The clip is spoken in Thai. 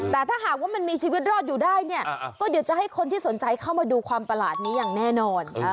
แต่ถ้าหากว่ามันมีชีวิตรอดอยู่ได้เนี่ยก็เดี๋ยวจะให้คนที่สนใจเข้ามาดูความประหลาดนี้อย่างแน่นอน